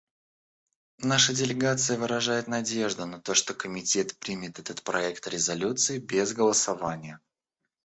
Наша делегация выражает надежду на то, что Комитет примет этот проект резолюции без голосования.